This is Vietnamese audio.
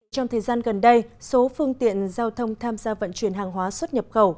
trong thời gian gần đây số phương tiện giao thông tham gia vận chuyển hàng hóa xuất nhập khẩu